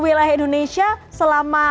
wilayah indonesia selama